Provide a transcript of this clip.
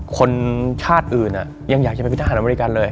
คนชาติอื่นยังอยากจะไปเป็นทหารอเมริกันเลย